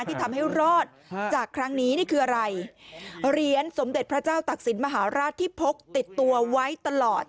ที่ทำให้รอดจากครั้งนี้นี่คืออะไรเหรียญสมเด็จพระเจ้าตักศิลปมหาราชที่พกติดตัวไว้ตลอด